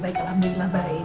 baik alhamdulillah baik